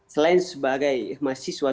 selain sebagai masih suwan